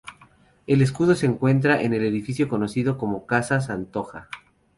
El escudo se encuentra en el edificio conocido como "Casa Santonja".